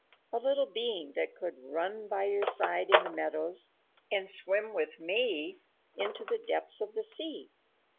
A little being that could run by your side in the meadows, and swim with me into the depths of the sea!..."